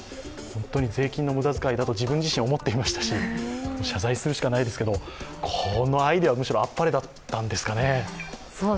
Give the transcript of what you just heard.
本当に税金の無駄遣いだと自分自身思っていましたし、謝罪するしかないですけどこのアイデア、むしろあっぱれだったんですかね。